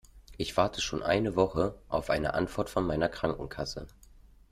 Ich warte schon eine Woche auf eine Antwort von meiner Krankenkasse.